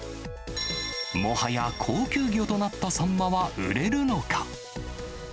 もはや高級魚となったサンマは売れるのか。